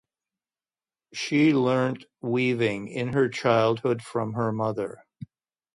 She learnt weaving in her childhood from her mother.